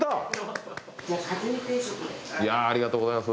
いやあありがとうございます。